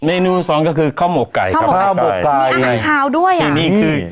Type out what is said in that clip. เมนูสองก็คือข้าวหมกไก่ครับข้าวหมกไก่ไงขาวด้วยอ่ะนี่คือ